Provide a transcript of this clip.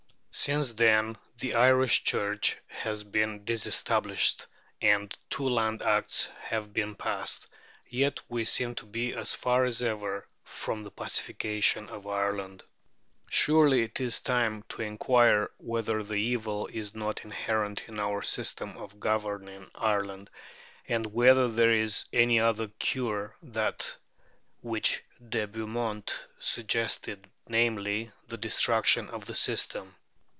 Since then the Irish Church has been disestablished, and two Land Acts have been passed; yet we seem to be as far as ever from the pacification of Ireland. Surely it is time to inquire whether the evil is not inherent in our system of governing Ireland, and whether there is any other cure than that which De Beaumont suggested, namely, the destruction of the system.